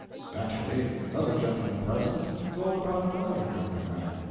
Naturally, another gentleman present told about another drunken man.